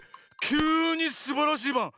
きゅうにすばらしいバン！